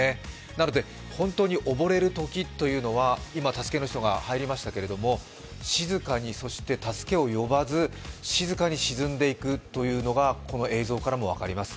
なので本当に溺れるときというのは今、助ける人が入りましたが静かに、そして助けを呼ばず静かに沈んでいくというのがこの映像からも分かります。